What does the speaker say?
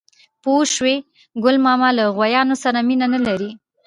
_پوه شوې؟ ګل ماما له غوايانو سره مينه نه لري.